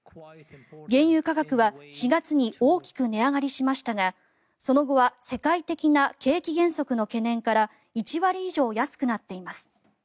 原油価格は４月に大きく値上がりしましたがその後は世界的な景気減速の懸念から１割以上安くなっています。